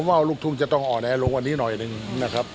ว่าลูกทุ่งจะต้องอ่อนแอลงกว่านี้หน่อยหนึ่งนะครับ